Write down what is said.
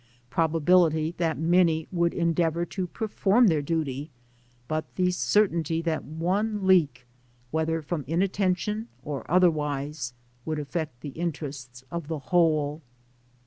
Probability that many would en * deavour to perform their duty, but the certainty that one leak, whether from inattention or other* wise, would affect the interests of the whole.